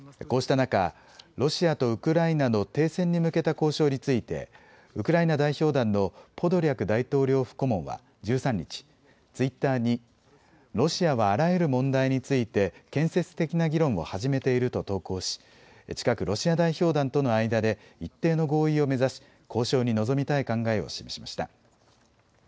こうした中、ロシアとウクライナの停戦に向けた交渉についてウクライナ代表団のポドリャク大統領府顧問は１３日、ツイッターにロシアはあらゆる問題について建設的な議論を始めていると投稿し近くロシア代表団との間で一定の合意を目指し交渉に臨みたい考えを示しました。